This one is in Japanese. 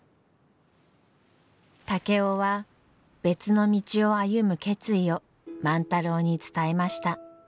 竹雄は別の道を歩む決意を万太郎に伝えました。